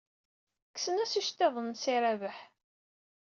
Kksen-as iceḍḍiḍen-nnes i Rabaḥ.